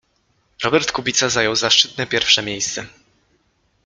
Robert Kubica zajął zaszczytne pierwsze miejsce